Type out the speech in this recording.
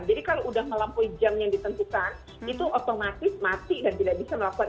jadi kalau sudah melampaui jam yang ditentukan itu otomatis mati dan tidak bisa melakukan